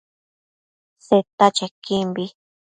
Seta chequimbi